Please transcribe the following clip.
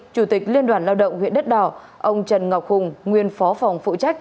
chủ tịch liên đoàn lao động huyện đất đỏ ông trần ngọc hùng nguyên phó phòng phụ trách